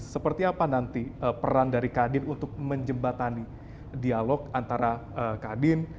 seperti apa nanti peran dari kadin untuk menjembatani dialog antara kadin